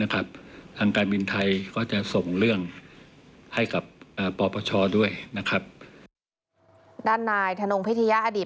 ทางการบินไทยก็จะส่งเรื่องให้กับปปชด้านนายธนงพิธียาอดีต